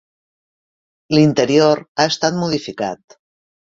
L'interior ha estat modificat.